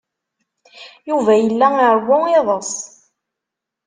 Yuba yella iṛewwu iḍes.